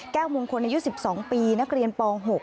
แก้วมงคลในยุทธ์๑๒ปีนักเรียนป๖